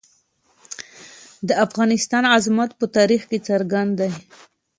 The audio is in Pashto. د افغانستان عظمت په تاریخ کې څرګند دی.